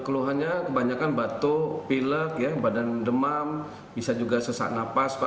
keluhannya kebanyakan batuk pilek badan demam bisa juga sesak napas